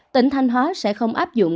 tỉnh thanh hóa sẽ không áp dụng